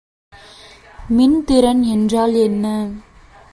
மின்திறன் என்றால் என்ன?